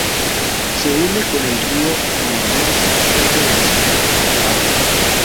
Se une con el río Marañón cerca de la ciudad de Bagua.